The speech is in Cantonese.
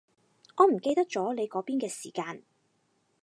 我唔記得咗你嗰邊嘅時間